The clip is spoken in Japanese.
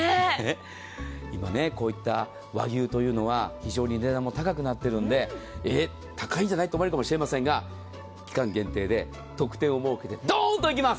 今、こういった和牛というのは非常に値段も高くなっているので高いんじゃない？と思われるかもしれませんが期間限定で特典を設けてドーンといきます。